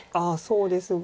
そうですが。